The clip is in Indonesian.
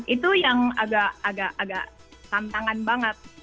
itu yang agak tantangan banget